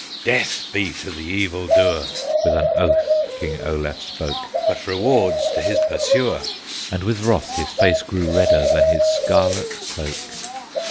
"Death be to the evil doer!" With an oath King Olaf spoke; "But rewards to his pursuer!" And with wrath his face grew redder Than his scarlet cloak.